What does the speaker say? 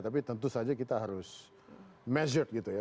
tapi tentu saja kita harus measure gitu ya